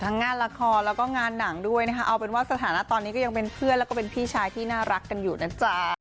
งานละครแล้วก็งานหนังด้วยนะคะเอาเป็นว่าสถานะตอนนี้ก็ยังเป็นเพื่อนแล้วก็เป็นพี่ชายที่น่ารักกันอยู่นะจ๊ะ